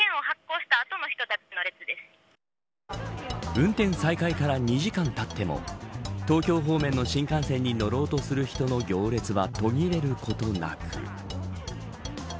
運転再開から２時間たっても東京方面の新幹線に乗ろうとする人の行列は途切れることなく。